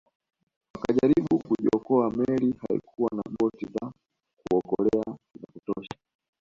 Wakijaribu kujiokoa meli haikuwa na boti za kuokolea za kutosha